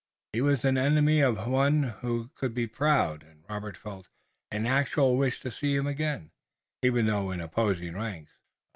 He was an enemy of whom one could be proud, and Robert felt an actual wish to see him again, even though in opposing ranks.